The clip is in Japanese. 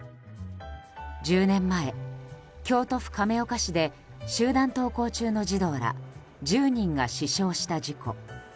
１０年前、京都府亀岡市で集団登校中の児童ら１０人が死傷した事故。